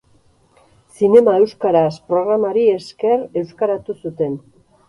Zinema Euskaraz programari esker, euskaratu zuten.